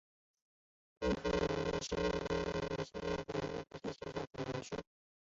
瓦沃纳是位于美国加利福尼亚州马里波萨县的一个人口普查指定地区。